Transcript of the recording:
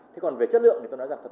thế còn về chất lượng thì tôi nói rằng